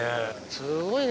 すごいね。